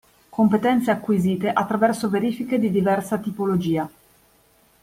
Competenze acquisite attraverso verifiche di diversa tipologia.